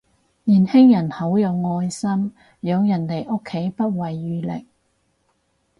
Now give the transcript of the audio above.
年輕人好有愛心，養人哋屋企不遺餘力